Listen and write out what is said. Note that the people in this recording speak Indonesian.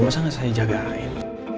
masa gak saya jagain